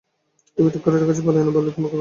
তুমি ঠিক করে রেখেছ, পালোয়ান বললেই তোমাকে বলা হল।